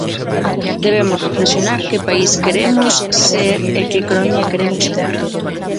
Debemos reflexionar que país queremos ser e que economía queremos ter.